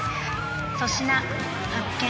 粗品発見。